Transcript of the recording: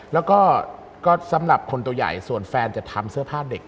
แล้วก็สำหรับคนตัวใหญ่ส่วนแฟนจะทำเสื้อผ้าเด็ก